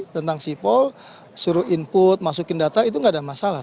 tentang sipol suruh input masukin data itu nggak ada masalah